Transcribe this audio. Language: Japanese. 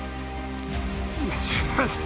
すいません。